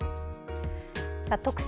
特集